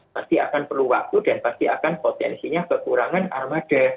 pasti akan perlu waktu dan pasti akan potensinya kekurangan armada